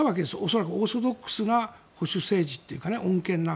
恐らく、オーソドックスな保守政治というか穏健な。